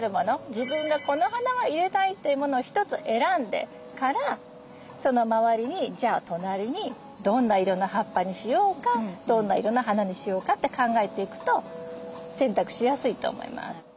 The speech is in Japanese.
自分がこの花は入れたいというものを一つ選んでからその周りにじゃあ隣にどんな色の葉っぱにしようかどんな色の花にしようかって考えていくと選択しやすいと思います。